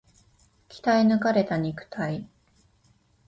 鍛え抜かれた肉体